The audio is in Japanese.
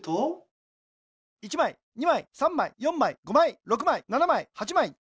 １まい２まい３まい４まい５まい６まい７まい８まい。